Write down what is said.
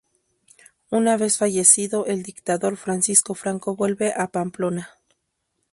Una vez fallecido el dictador Francisco Franco vuelve a Pamplona.